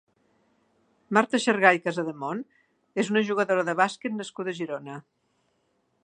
Marta Xargay Casademont és una jugadora de bàsquet nascuda a Girona.